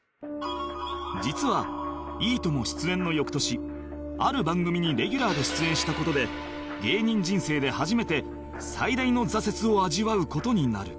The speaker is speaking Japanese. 実は『いいとも！』出演の翌年ある番組にレギュラーで出演した事で芸人人生で初めて最大の挫折を味わう事になる